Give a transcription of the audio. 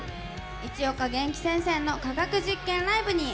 市岡元気先生の科学実験ライブに。